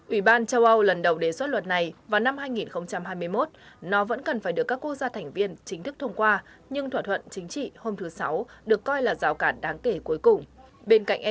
ủy ban châu âu lần đầu đề xuất luật này vào năm hai nghìn hai mươi một nó vẫn cần phải được các quốc gia thành viên chính thức thông qua nhưng thỏa thuận chính trị hôm thứ sáu được coi là giáo cấp